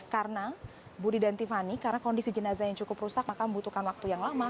karena budi dan tiffany karena kondisi jenazah yang cukup rusak maka membutuhkan waktu yang lama